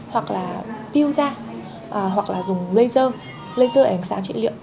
hoặc là peel da hoặc là dùng laser laser ảnh sáng trị liệu